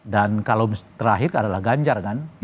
dan kalau terakhir adalah ganjar kan